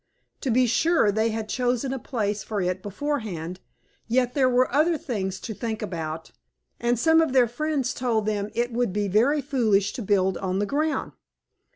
To be sure, they had chosen a place for it beforehand, yet there were other things to think about, and some of their friends told them it would be very foolish to build on the ground.